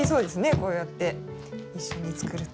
こうやって一緒に作ると。